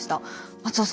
松尾さん